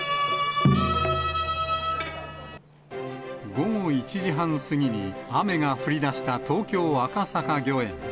午後１時半過ぎに雨が降りだした東京・赤坂御苑。